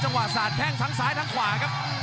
จังหวะสัดแฮ่งทั้งซ้ายทั้งขวาครับ